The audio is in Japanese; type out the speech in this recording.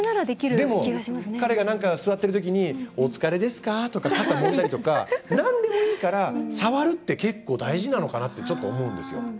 でも、彼がなんか座ってるときに「お疲れですか？」とか肩もんだりとかなんでもいいから触るって結構、大事なのかなってちょっと思うんですよ。